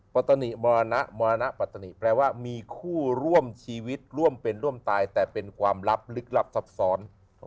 ปตนิมรณะมรณปัตตนิแปลว่ามีคู่ร่วมชีวิตร่วมเป็นร่วมตายแต่เป็นความลับลึกลับซับซ้อน